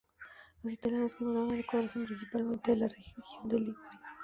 Los italianos que emigraron al Ecuador son principalmente de la región de Liguria.